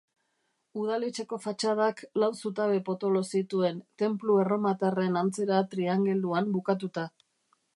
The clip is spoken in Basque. Udaletxeko fatxadak lau zutabe potolo zituen, tenplu erromatarren antzera triangeluan bukatuta.